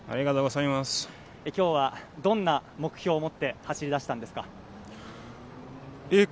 今日はどんな目標を持って走り出しましたか？